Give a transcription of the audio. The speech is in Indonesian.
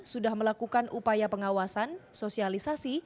sudah melakukan upaya pengawasan sosialisasi